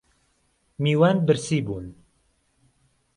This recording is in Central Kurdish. میوان برسی بوون